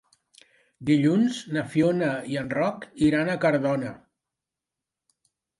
Dilluns na Fiona i en Roc iran a Cardona.